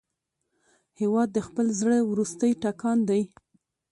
هېواد د خپل زړه وروستی ټکان دی.